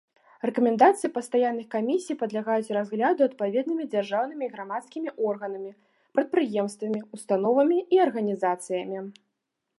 Рэкамендацыі пастаянных камісій падлягаюць разгляду адпаведнымі дзяржаўнымі і грамадскімі органамі, прадпрыемствамі, установамі і арганізацыямі.